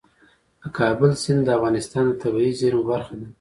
د کابل سیند د افغانستان د طبیعي زیرمو برخه ده.